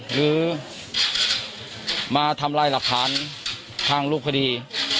หรือมาทำลายหลักฐานทางรูปคดี